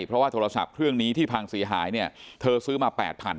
เพราะว่าโทรศัพท์เครื่องนี้ที่พังเสียหายเนี่ยเธอซื้อมา๘๐๐๐